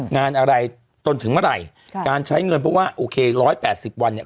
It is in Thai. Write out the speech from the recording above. งานอะไรจนถึงเมื่อไหร่การใช้เงินเพราะว่าโอเค๑๘๐วันเนี่ย